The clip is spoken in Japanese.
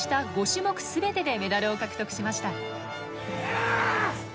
５種目全てでメダルを獲得しました。